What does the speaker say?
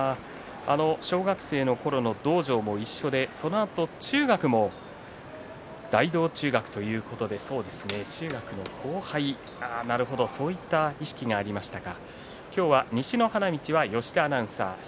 小学生のころの道場も一緒でそのあと中学も大道中学ということで中学の後輩そういった意識がありましたか。